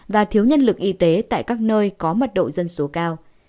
và thiếu nhân lực y tế tại các nơi có mật độ dân số cao